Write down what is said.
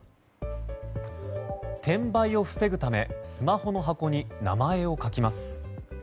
転売を防ぐためスマホの箱に名前を書きます。